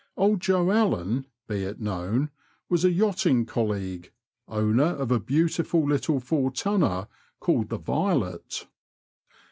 'Old Joe Allen," be it known, was a yachting colleague^ owner of a beautiful little four tonner called the Violet.